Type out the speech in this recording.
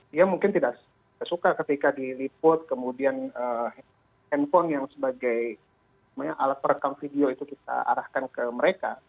dia mungkin tidak suka ketika diliput kemudian handphone yang sebagai alat perekam video itu kita arahkan ke mereka